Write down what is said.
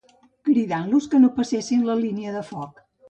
Cridant-los que no passessin la línia de foc.